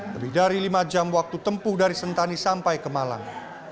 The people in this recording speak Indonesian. lebih dari lima jam waktu tempuh dari sentani sampai ke malang